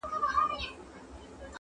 • له غړومبي یې رېږدېدل هډ او رګونه -